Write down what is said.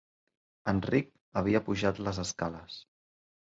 Enric havia pujat les escales.